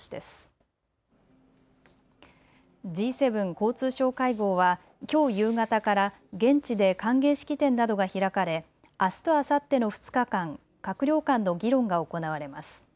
交通相会合はきょう夕方から現地で歓迎式典などが開かれあすとあさっての２日間、閣僚間の議論が行われます。